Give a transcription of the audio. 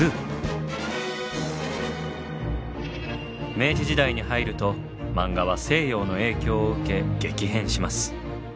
明治時代に入るとマンガは西洋の影響を受け激変します。